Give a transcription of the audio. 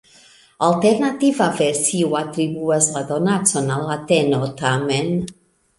Alternativa versio atribuas la donacon al Ateno, tamen.